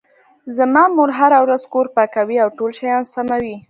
زما مور هره ورځ کور پاکوي او ټول شیان سموي